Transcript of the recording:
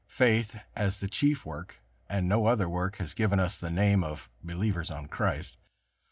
Faith, as the chief work, and no other work, has given us the name of "believers on Christ."